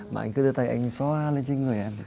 mà anh cứ đưa tay anh xoa lên trên người em